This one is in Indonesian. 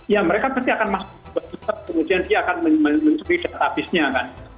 ya mereka pasti akan masuk ke kemudian dia akan mencuri database nya kan